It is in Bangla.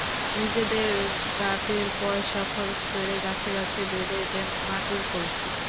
নিজেদের গাঁটের পয়সা খরচ করে গাছে গাছে বেঁধে দেন মাটির কলসি।